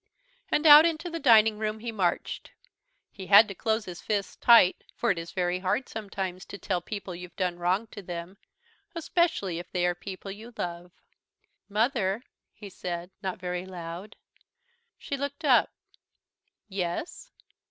And out into the dining room he marched. He had to close his fists tight, for it is very hard sometimes to tell people you've done wrong to them, especially if they are people you love. "Mother," he said not very loud. She looked up. "Yes?"